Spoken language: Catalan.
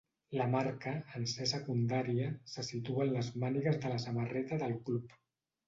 La marca, en ser secundària, se situa en les mànigues de la samarreta del club.